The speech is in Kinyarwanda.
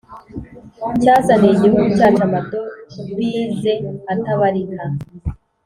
Cyazaniye igihugu cyacu amadobize atabarika